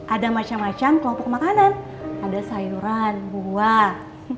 ada macam macam kelompok makanan ada sayuran buah